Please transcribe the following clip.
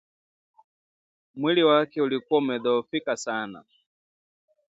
Mwili wake ulikuwa umedhoofika sana